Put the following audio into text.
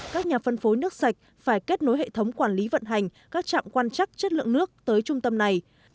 các nhà phân phối nước sạch phải kết nối hệ thống quản lý vận hành các trạm quan chắc chất lượng nước tới trung tâm này